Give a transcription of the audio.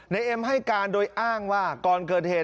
เอ็มให้การโดยอ้างว่าก่อนเกิดเหตุ